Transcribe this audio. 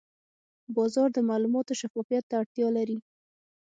بازار د معلوماتو شفافیت ته اړتیا لري.